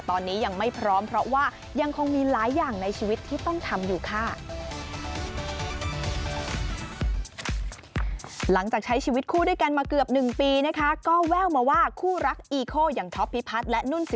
ตอนนี้ยังไม่พร้อมเพราะว่ายังคงมีหลายอย่างในชีวิตที่ต้องทำอยู่ค่ะ